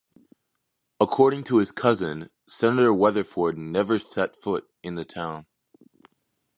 According to his cousin, Senator Weatherford never set foot in the town.